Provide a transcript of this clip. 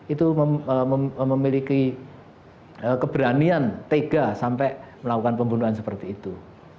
itu memiliki keberanian tega sampai melakukan pembunuhan seperti itu